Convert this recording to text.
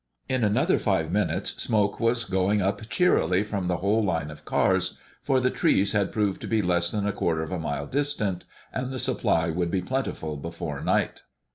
In another five minutes smoke was going up cheerily from the whole line of cars; for the trees had proved to be less than a quarter of a mile distant, and the supply would be plentiful before night.